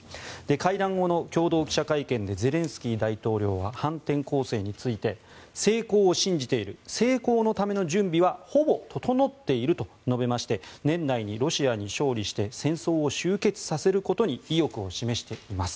会談後の共同記者会見でゼレンスキー大統領は反転攻勢について成功を信じている成功のための準備はほぼ整っていると述べまして年内にロシアに勝利して戦争を終結させることに意欲を示しています。